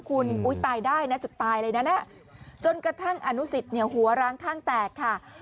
คุณตายได้นะจะตายเลยนะจนกระทั่งอนุสิตหัวร้างข้างแตกค่ะ